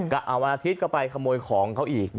วันอาทิตย์เข้าไปขโมยของเขาอีก